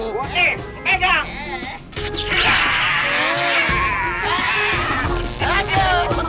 buat nih pegang